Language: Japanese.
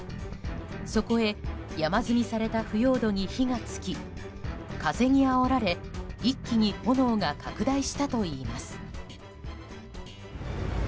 そこへ山積みされた腐葉土に火が付き風にあおられ一気に炎が拡大したといいます。